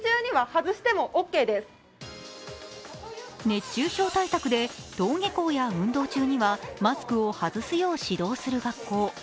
熱中症対策で登下校や運動中にはマスクを外すよう指導する学校。